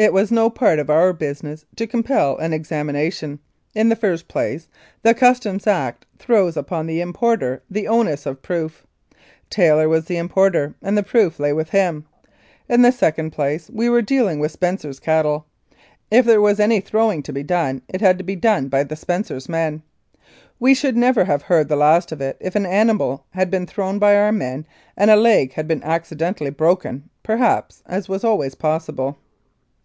It was no part of our business to compel an examination. In the first place, the Customs Act throws upon the importer the onus of proof. Taylor was the importer, and the proof lay with him. In the second place, we were dealing with Spencers' cattle. If there was any throwing to be done, it had to be done by the Spencers' men. We should never have heard the last of it if an animal had been thrown by our men and a leg had been accidentally broken perhaps, as was always possible.